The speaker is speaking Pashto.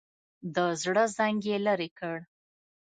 د زړه زنګ یې لرې کړ.